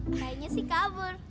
kayaknya sih kabur